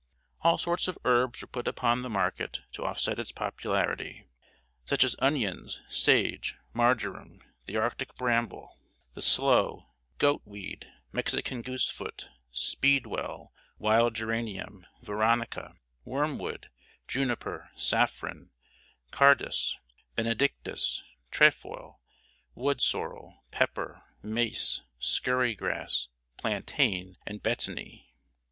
All sorts of herbs were put upon the market to offset its popularity; such as onions, sage, marjoram, the Arctic bramble, the sloe, goat weed, Mexican goosefoot, speedwell, wild geranium, veronica, wormwood, juniper, saffron, carduus benedictus, trefoil, wood sorrel, pepper, mace, scurry grass, plantain, and betony.